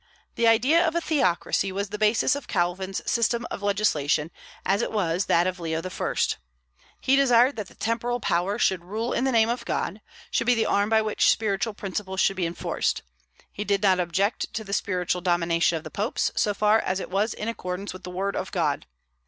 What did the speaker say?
The idea of a theocracy was the basis of Calvin's system of legislation, as it was that of Leo I. He desired that the temporal power should rule in the name of God, should be the arm by which spiritual principles should be enforced. He did not object to the spiritual domination of the popes, so far as it was in accordance with the word of God.